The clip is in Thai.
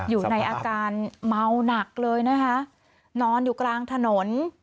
อยู่ในอาการเมาหนักเลยนะคะนอนอยู่กลางถนน